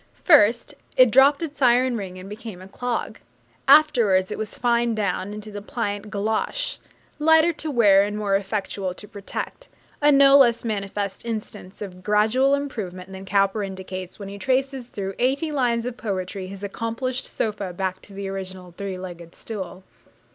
First it dropped its iron ring and became a clog; afterwards it was fined down into the pliant galoshe lighter to wear and more effectual to protect a no less manifest instance of gradual improvement than Cowper indicates when he traces through eighty lines of poetry his 'accomplished sofa' back to the original three legged stool.